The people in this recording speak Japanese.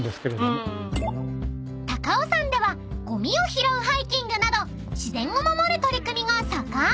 ［高尾山ではごみを拾うハイキングなど自然を守る取り組みが盛ん］